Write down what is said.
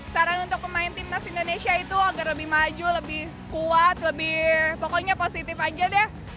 saran untuk pemain timnas indonesia itu agar lebih maju lebih kuat lebih pokoknya positif aja deh